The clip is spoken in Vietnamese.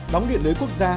đóng điện lưới quốc gia